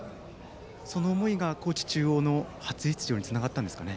その思いが高知中央の初出場につながったんですか。